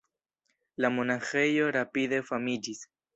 La monaĥejo rapide famiĝis.